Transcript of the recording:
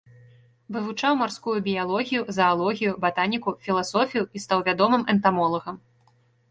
Вывучаў марскую біялогію, заалогію, батаніку, філасофію і стаў вядомым энтамолагам.